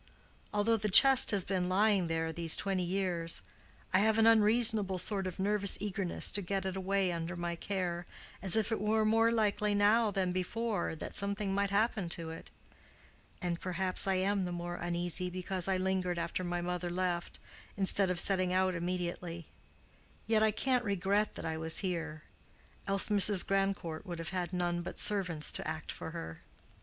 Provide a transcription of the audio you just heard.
"Although the chest has been lying there these twenty years, I have an unreasonable sort of nervous eagerness to get it away under my care, as if it were more likely now than before that something might happen to it. And perhaps I am the more uneasy, because I lingered after my mother left, instead of setting out immediately. Yet I can't regret that I was here—else Mrs. Grandcourt would have had none but servants to act for her."